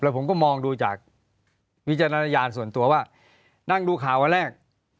ผมก็มองดูจากวิจารณญาณส่วนตัวว่านั่งดูข่าววันแรก